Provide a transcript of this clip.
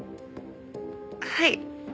はい。